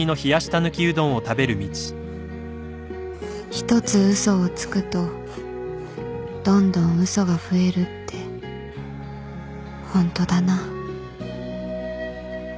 １つ嘘をつくとどんどん嘘が増えるってホントだな